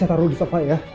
ya saya taruh di sofa ya